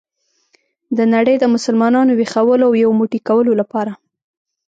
د نړۍ د مسلمانانو ویښولو او یو موټی کولو لپاره.